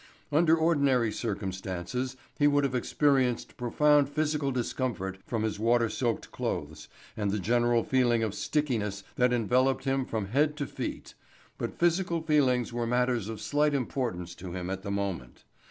Under ordinary circumstances he would have experienced profound physical discomfort from his water soaked clothes and the general feeling of stickiness that enveloped him from head to feet, but physical feelings were matters of slight importance to him at the moment.